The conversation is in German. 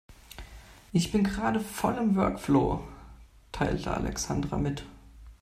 Ich bin gerade voll im Workflow, teilte Alexandra mit.